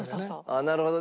なるほど。